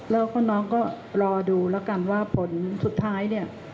แล้วก็น้องก็รอดูแล้วกันว่าผลสุดท้ายเนี่ย